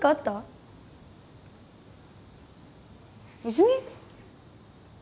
泉？